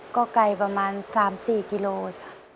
ก็ไกลประมาณ๓๔กิโลค่ะ